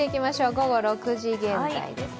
午後６時現在ですね。